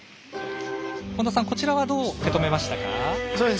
本田さん、こちらはどう受け止めましたか？